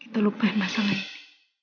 kita lupain masalah ini